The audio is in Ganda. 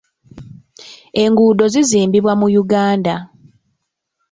Enguudo zizimbibwa mu Uganda.